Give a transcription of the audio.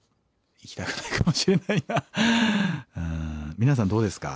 皆さんどうですか？